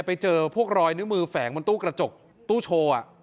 ไปเจอพวกรอยนิ้วมือแฝงบนตู้กระจกตู้โชว์